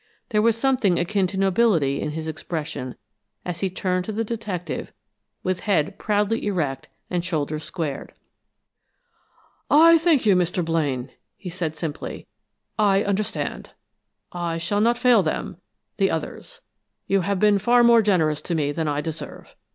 There was something akin to nobility in his expression as he turned to the detective with head proudly erect and shoulders squared. "I thank you, Mr. Blaine," he said, simply. "I understand. I shall not fail them the others! You have been far more generous to me than I deserve.